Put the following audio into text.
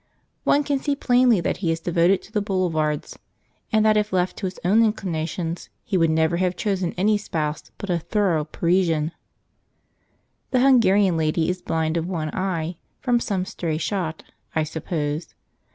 One can see plainly that he is devoted to the Boulevards, and that if left to his own inclinations he would never have chosen any spouse but a thorough Parisienne. The Hungarian lady is blind of one eye, from some stray shot, I suppose.